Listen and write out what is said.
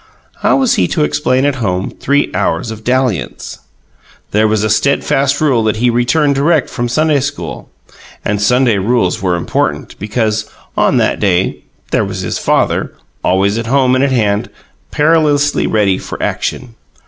How was he to explain at home these hours of dalliance? There was a steadfast rule that he return direct from Sunday school; and Sunday rules were important, because on that day there was his father, always at home and at hand, perilously ready for action.